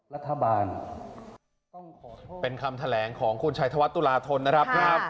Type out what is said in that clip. รัฐบาลเป็นคำแถลงของคุณชัยธวัฒน์ตุลาทนนะครับครับ